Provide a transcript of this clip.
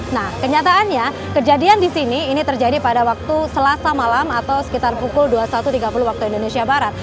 nah kenyataannya kejadian di sini ini terjadi pada waktu selasa malam atau sekitar pukul dua puluh satu tiga puluh waktu indonesia barat